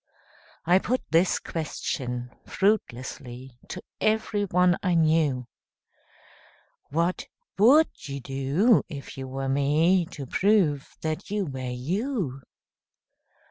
I put this question, fruitlessly, To everyone I knew, "What would you do, if you were me, To prove that you were you?"